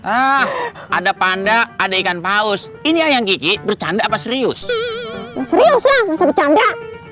ah ada panda ada ikan paus ini yang gigi bercanda apa serius serius ya masa bercanda